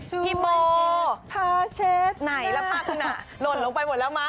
พี่โบไหนละพราบคุณน่ะลนลงไปหมดแล้วมั้ง